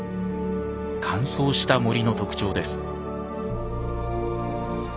乾燥した森の特徴です。